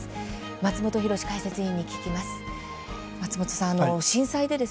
松本浩司解説委員に聞きます。